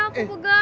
boleh aku pegang